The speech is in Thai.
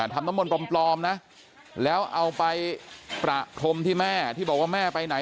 ทำน้ำมนต์ปลอมนะแล้วเอาไปประพรมที่แม่ที่บอกว่าแม่ไปไหน